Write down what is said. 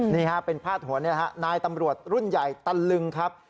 นี่ค่ะเป็นภาพหัวนี้นะครับนายตำรวจรุ่นใหญ่ตันลึงครับ